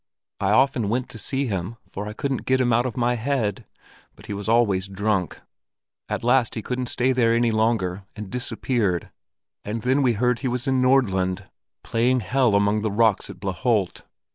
I often went to see him, for I couldn't get him out of my head; but he was always drunk. At last he couldn't stay there any longer, and disappeared, and then we heard that he was in Nordland, playing Hell among the rocks at Blaaholt.